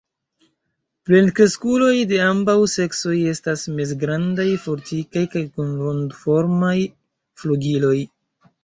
Plenkreskuloj de ambaŭ seksoj estas mezgrandaj, fortikaj kaj kun rondoformaj flugiloj.